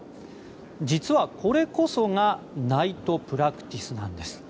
実は、これこそがナイトプラクティスなんです。